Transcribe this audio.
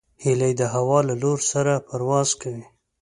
هیلۍ د هوا له لور سره پرواز کوي